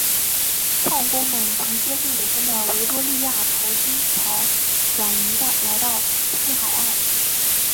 矿工们从接近尾声的维多利亚淘金潮转移来到西海岸。